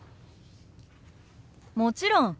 もちろん。